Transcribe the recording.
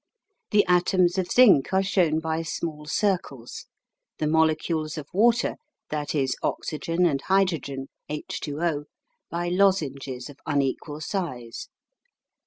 The atoms of zinc are shown by small circles; the molecules of water, that is, oxygen, and hydrogen (H2O) by lozenges of unequal size.